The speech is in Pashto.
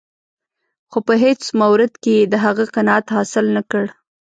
خو په هېڅ مورد کې یې د هغه قناعت حاصل نه کړ.